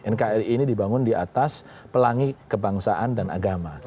nkri ini dibangun di atas pelangi kebangsaan dan agama